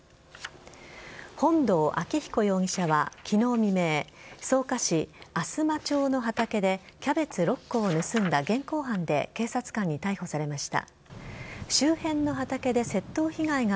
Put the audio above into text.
本堂明彦容疑者は昨日未明、草加市の畑でキャベツ６個盗んだ現行犯で警察官に逮捕されました。